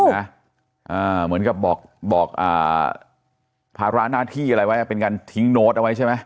เหมือนกับบอกภาระหน้าที่อะไรไว้เป็นการทิ้งโน้ตเอาไว้ใช่ไหม